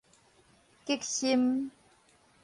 激心